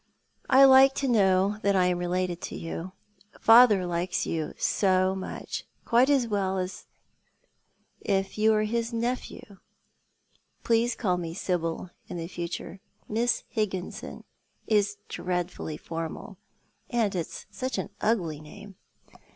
I like to know that I am related to you. Father likes you so much, quite as well as if you were his nephew. Please call me Sibyl in future. Miss Higginson is dreadfully formal, and it is such an ugly name."